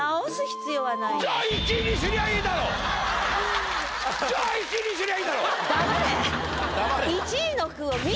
じゃあじゃあ１位にすりゃいいだろ！